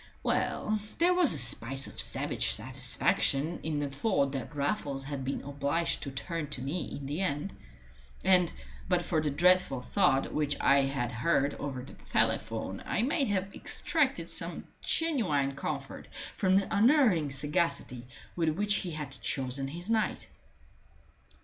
Well, there was a spice of savage satisfaction in the thought that Raffles had been obliged to turn to me in the end. And, but for the dreadful thud which I had heard over the telephone, I might have extracted some genuine comfort from the unerring sagacity with which he had chosen his night.